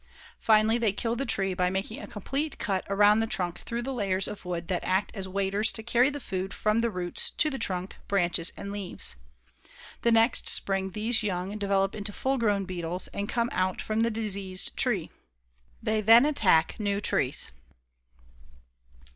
Finally, they kill the tree by making a complete cut around the trunk through the layers of wood that act as waiters to carry the food from the roots to the trunk, branches and leaves. The next spring these young develop into full grown beetles, and come out from the diseased tree. They then attack new trees.